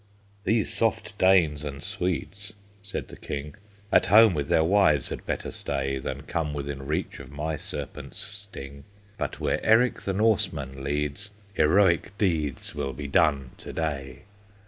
"These soft Danes and Swedes," said the King, "At home with their wives had better stay, Than come within reach of my Serpent's sting: But where Eric the Norseman leads Heroic deeds Will be done to day!"